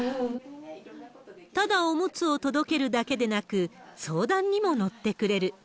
ただおむつを届けるだけでなく、相談にも乗ってくれる。